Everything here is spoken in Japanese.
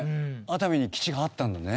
熱海に基地があったんだね。